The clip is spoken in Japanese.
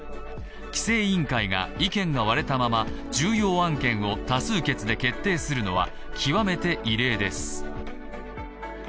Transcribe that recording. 規制委員会が意見が割れたまま重要案件を多数決で決定するのは極めて異例です。